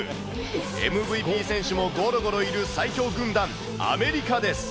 ＭＶＰ選手もごろごろいる最強軍団、アメリカです。